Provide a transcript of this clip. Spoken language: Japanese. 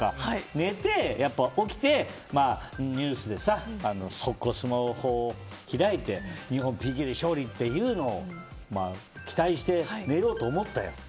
寝て、起きてニュースでスマホを開いて日本がＰＫで勝利というのを期待して寝ようと思ったよ。